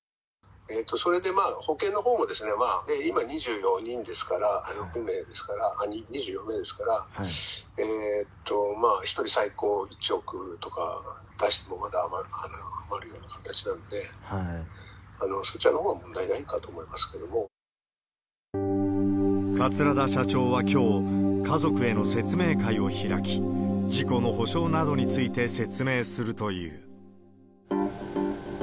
それでまあ、保険のほうも今２４人ですから、船ですから、２４名ですから、えーと、１人最高１億とか出してもまだ余るような形なので、そちらのほう桂田社長はきょう、家族への説明会を開き、事故の補償などについて説明するという。